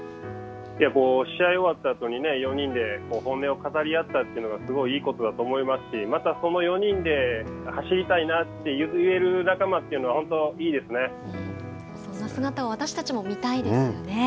試合が終わったあとに４人で本音を語り合ったというのがすごいいいことだと思いますしまた、その４人で走りたいなって言える仲間というのはそんな姿を私たちも見たいですよね。